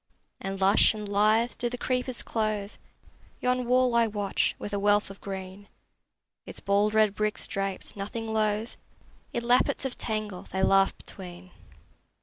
And lush and lithe do the creepers clothe Yon wall I watch, with a wealth of green: Its bald red bricks draped, nothing loath, In lappets of tangle they laugh between.